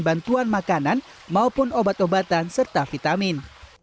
bantuan makanan maupun obat obatan serta vitamin